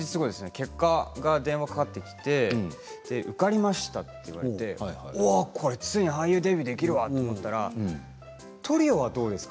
結果が電話でかかってきて受かりましたと言われてついに俳優デビューできるわ！と思ったらトリオはどうですか？